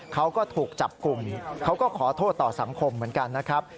เขาก็ถูกจับกลุ่มเขาก็ขอโทษต่อสังคมเหมือนกันนะครับ